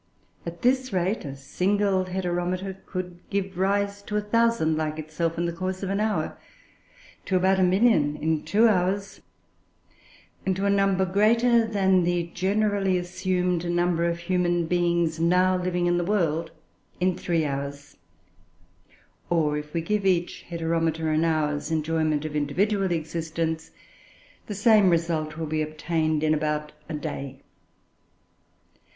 At this rate, a single Heteromita would give rise to a thousand like itself in the course of an hour, to about a million in two hours, and to a number greater than the generally assumed number of human beings now living in the world in three hours; or, if we give each Heteromita an hour's enjoyment of individual existence, the same result will be obtained in about a day.